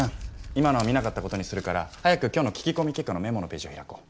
今のは見なかったことにするから早く今日の聞き込み結果のメモのページを開こう。